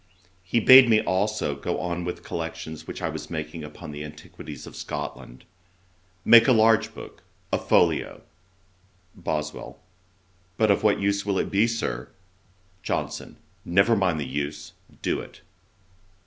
He bade me also go on with collections which I was making upon the antiquities of Scotland. 'Make a large book; a folio.' BOSWELL. 'But of what use will it be, Sir?' JOHNSON. 'Never mind the use; do it.'